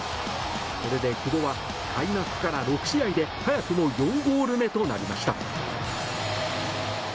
これで久保は開幕から６試合で早くも４ゴール目となりました。